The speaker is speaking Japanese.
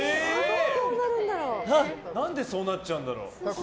何でそうなっちゃうんだろう。